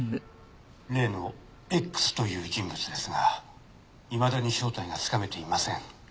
例のＸという人物ですがいまだに正体がつかめていません。